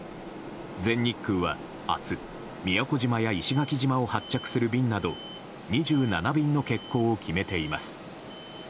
全日空は明日宮古島や石垣島を発着する便など２７便の欠航を決めています。